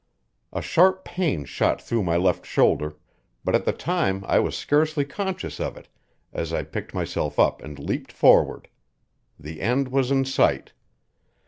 A sharp pain shot through my left shoulder, but at the time I was scarcely conscious of it as I picked myself up and leaped forward. The end was in sight.